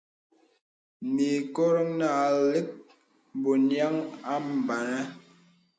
Mì ìkòrōŋ nà àlə̀k bô nīaŋ à mbānə.